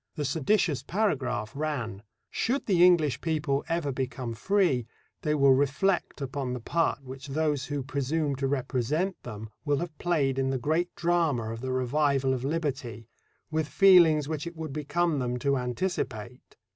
The seditious paragraph ran: Should the English people ever become free, they will reflect upon the part which those who presume to represent them will have played in the great drama of the revival of liberty, with feelings which it would become them to anticipate.